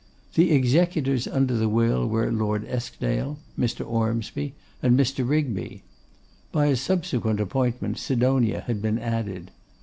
The executors under the will were Lord Eskdale, Mr. Ormsby, and Mr. Rigby. By a subsequent appointment Sidonia had been added.